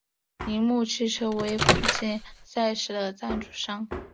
铃木汽车为本届赛事的赞助商。